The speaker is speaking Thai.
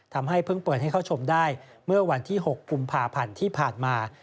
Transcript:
ทำให้เพิ่งเปิดให้เข้าชมได้เมื่อวันที่๖กุมภาพันธ์ที่ผ่านมา